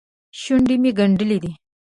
شونډې مې ګنډلې.